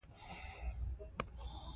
جین خپل لومړنی اثر په درې ټوکه کې بیا ولیکه.